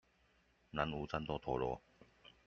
南無戰鬥陀螺